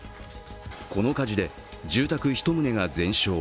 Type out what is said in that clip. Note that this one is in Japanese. この火事で、住宅１棟が全焼。